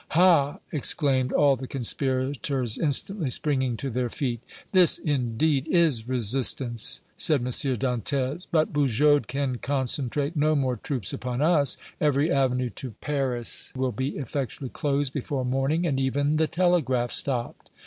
"Ha!" exclaimed all the conspirators, instantly springing to their feet. "This, indeed, is resistance!" said M. Dantès. "But Bugeaud can concentrate no more troops upon us. Every avenue to Paris will be effectually closed before morning and even the telegraph stopped!"